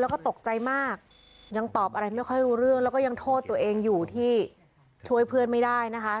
แล้วก็ตกใจมากยังตอบอะไรไม่ค่อยรู้เรื่องแล้วก็ยังโทษตัวเองอยู่ที่ช่วยเพื่อนไม่ได้นะคะ